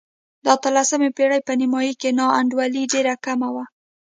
د اتلسمې پېړۍ په نیمايي کې نا انډولي ډېره کمه وه.